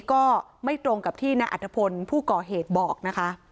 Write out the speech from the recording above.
ก็ไม่ตรงกับที่นายอัฐพลผู้ก่อเหตุบอกนะคะ